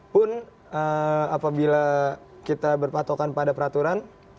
pun apabila kita berpatokan pada peraturan